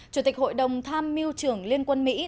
chủ tịch hội đồng tham mưu trưởng liên quân mỹ